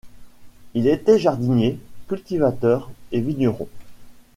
Ils étaient jardiniers, cultivateurs et vignerons.